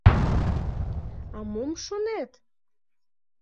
— А мом шонет?